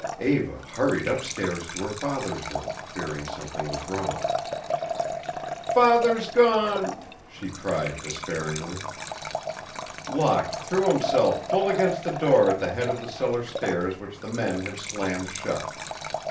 Eva hurried up stairs to her father's room, fearing something was wrong. "Father's gone!" she cried, despairingly. Locke threw himself full against the door at the head of the cellar stairs which the men had slammed shut.